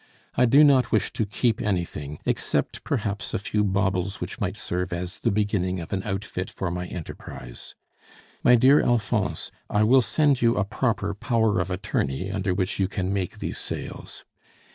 I do not wish to keep anything, except, perhaps, a few baubles which might serve as the beginning of an outfit for my enterprise. My dear Alphonse, I will send you a proper power of attorney under which you can make these sales.